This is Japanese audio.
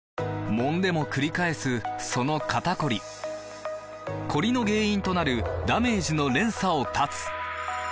もんでもくり返すその肩こりコリの原因となるダメージの連鎖を断つ！